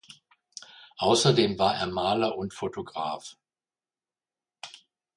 Außerdem war er Maler und Fotograf.